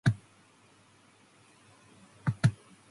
The security forces soon joined in plundering what was left in the town.